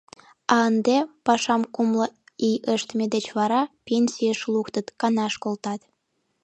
А ынде, пашам кумло ий ыштыме деч вара, пенсийыш луктыт, канаш колтат.